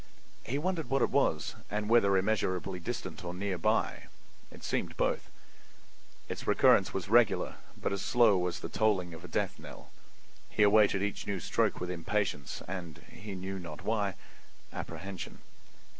He wondered what it was, and whether immeasurably distant or near by— it seemed both. Its recurrence was regular, but as slow as the tolling of a death knell. He awaited each new stroke with impatience and—he knew not why—apprehension.